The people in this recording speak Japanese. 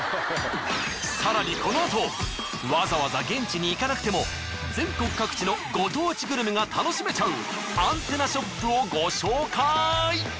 更にこのあとわざわざ現地に行かなくても全国各地のご当地グルメが楽しめちゃうアンテナショップをご紹介！